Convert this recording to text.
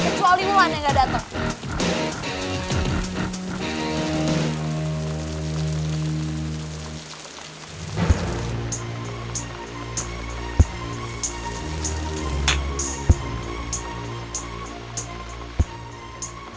kecuali ulan yang nggak datang